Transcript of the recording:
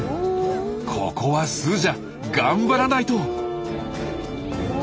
ここはスージャ頑張らないと！